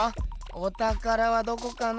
おたからはどこかな？